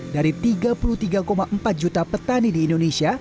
dari tiga puluh tiga empat juta petani di indonesia